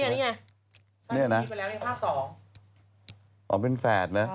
นี่ไงนี่ไปแล้วนี้ภาค๒